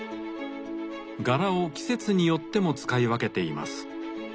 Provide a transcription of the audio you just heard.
柄を季節によっても使い分けています。